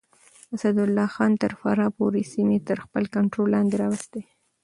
اسدالله خان تر فراه پورې سيمې تر خپل کنټرول لاندې راوستې.